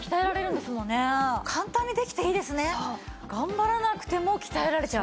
頑張らなくても鍛えられちゃう。